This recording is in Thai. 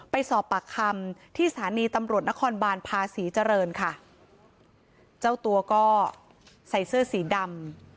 ไปสอบปากคำที่สถานีตำรวจนครบานภาษีเจริญค่ะเจ้าตัวก็ใส่เสื้อสีดำ